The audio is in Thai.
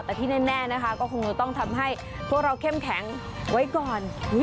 แต่ที่แน่นะคะก็คงจะต้องทำให้พวกเราเข้มแข็งไว้ก่อน